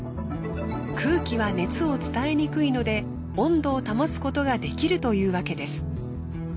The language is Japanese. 空気は熱を伝えにくいので温度を保つことができるというわけです。